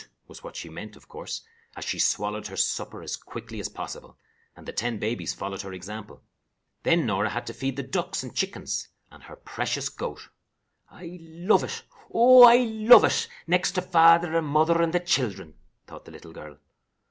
was what she meant, of course, as she swallowed her supper as quickly as possible, and the ten babies followed her example. Then Norah had to feed the ducks and chickens, and her precious goat. "I love it. Oh, I love it, next to father and mother and the children," thought the little girl.